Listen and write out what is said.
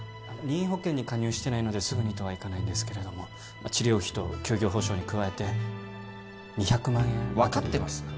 任意保険に加入してないのですぐにとはいかないんですけれども治療費と休業補償に加えて２００万円分かってます？